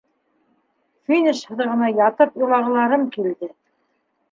Финиш һыҙығына ятып илағыларым килде!